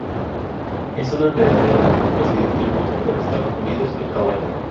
Es una enredadera que se distribuye por Estados Unidos en Hawai.